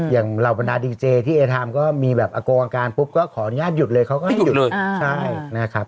อย่างเหล่ามันดาร์ดิจเกษที่เอเทรมก็มีแบบอโกงการปุ๊บก็ขอนหญ้ายุดเลยเขาก็ให้หยุด